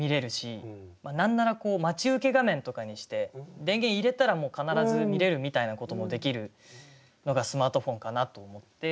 何なら待ち受け画面とかにして電源入れたらもう必ず見れるみたいなこともできるのがスマートフォンかなと思って。